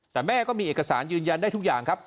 แต่แม่ก็มีเอกสารยืนยันได้ทุกอย่างครับ